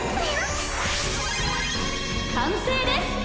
完成です！